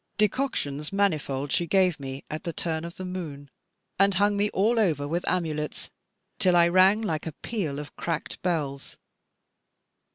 Decoctions manifold she gave me at the turn of the moon, and hung me all over with amulets, till I rang like a peal of cracked bells.